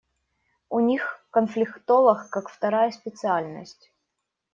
У них конфликтолог как вторая специальность.